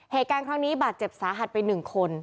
เหตุการณ์ครั้งนี้บาดเจ็บสาหัสไป๑คน